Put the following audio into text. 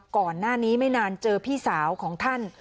ก่อนหน้านี้ไม่นานเจอพี่สาวของท่าน